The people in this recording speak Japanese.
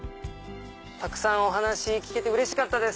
たくさんお話聞けてうれしかったです。